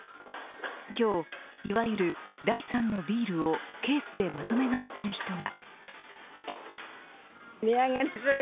今日、いわゆる第３のビールをケースでまとめ買いする人が。